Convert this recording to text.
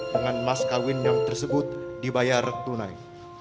dengan mas kawin yang tersebut dibayar tunai